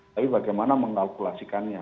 tapi bagaimana mengalkulasikannya